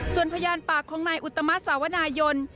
ส่วนพยานปากของนายอุตมะสาวนายน